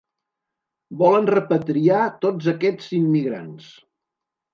Volen repatriar tots aquests immigrants.